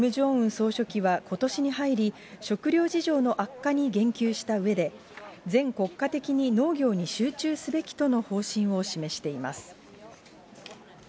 総書記はことしに入り、食糧事情の悪化に言及したうえで、全国家的に農業に集中すべきとの方針を示しています。